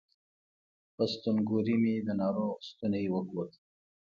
په ستونګوري مې د ناروغ ستونی وکوت